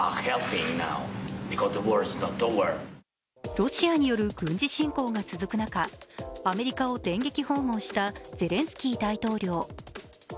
ロシアによる軍事侵攻が続く中、アメリカを電撃訪問したゼレンスキー大統領。